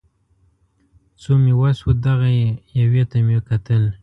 څو مې وس و دغې یوې ته مې کتل